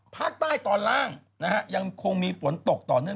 ภาคใต้ตอนล่างนะฮะยังคงมีฝนตกต่อเนื่อง